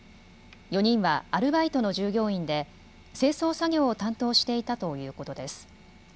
４人はアルバイトの従業員で清掃作業を担当していたということです。